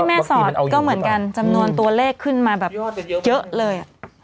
แม่สอดก็เหมือนกันจำนวนตัวเลขขึ้นมาแบบเยอะเลย